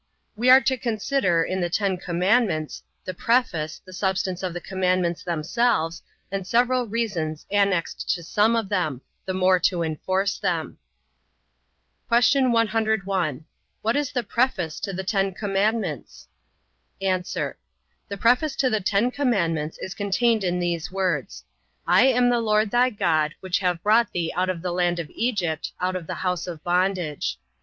We are to consider, in the Ten Commandments, the preface, the substance of the commandments themselves, and several reasons annexed to some of them, the more to enforce them. Q. 101. What is the preface to the Ten Commandments? A. The preface to the Ten Commandments is contained in these words, I am the LORD thy God, which have brought thee out of the land of Egypt, out of the house of bondage.